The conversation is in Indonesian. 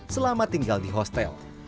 selama tinggal di hostel